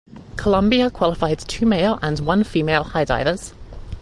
Colombia qualified two male and one female high divers.